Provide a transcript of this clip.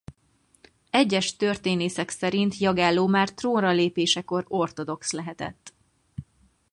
Egyes történészek szerint Jagelló már trónra lépésekor ortodox lehetett.